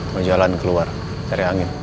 mau jalan keluar cari angin